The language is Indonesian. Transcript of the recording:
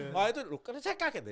wah itu kan saya kaget